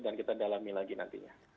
dan kita dalami lagi nantinya